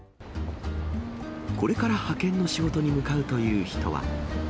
これから派遣の仕事に向かうという人は。